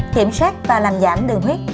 kiểm soát và làm giảm đường huyết